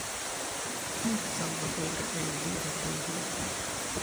Nick Salvatore è il leader del gruppo.